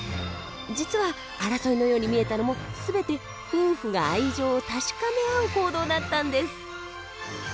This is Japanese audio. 実は争いのように見えたのもすべて夫婦が愛情を確かめ合う行動だったんです。